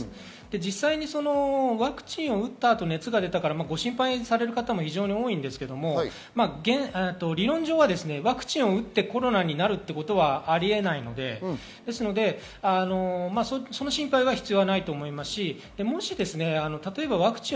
実際ワクチン打った後、熱が出たから心配される方も多いんですが理論上はワクチンを打ってコロナになるということはありえないので、その心配は必要ないと思います。